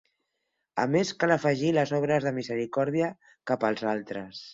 A més, cal afegir les obres de misericòrdia cap als altres.